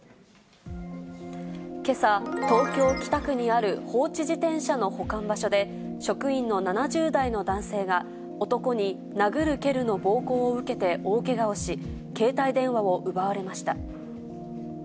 けさ、東京・北区にある放置自転車の保管場所で、職員の７０代の男性が男に殴る蹴るの暴行を受けて大けがをし、携帯電話を奪われました。